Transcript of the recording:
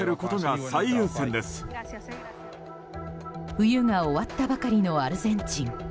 冬が終わったばかりのアルゼンチン。